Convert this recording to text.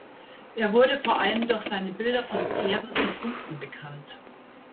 Er wurde vor allem durch seine Bilder von Pferden und Hunden bekannt.